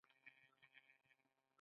مځکه او باغونه وبخښل.